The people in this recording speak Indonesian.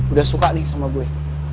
udah suka nih sama gue